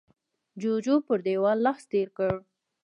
جوجو پر دېوال لاس تېر کړ.